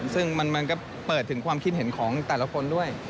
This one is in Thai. ซึ่งมันก็เปิดถึงความคิดเห็นของแต่ละคนด้วย